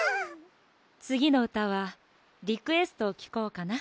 つぎのうたはリクエストをきこうかな。